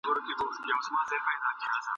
غزل به وي سارنګ به وي خو مطربان به نه وي